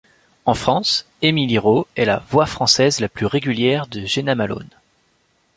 En France, Émilie Rault est la voix française la plus régulière de Jena Malone.